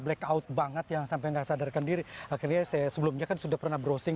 blackout banget yang sampai nggak sadarkan diri akhirnya saya sebelumnya kan sudah pernah browsing